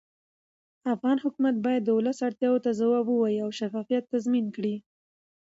افغان حکومت باید د ولس اړتیاوو ته ځواب ووایي او شفافیت تضمین کړي